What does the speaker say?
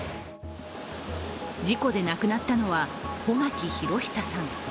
事故で亡くなったのは穂垣裕久さん